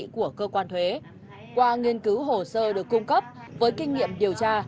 của cơ quan thuế qua nghiên cứu hồ sơ được cung cấp với kinh nghiệm điều tra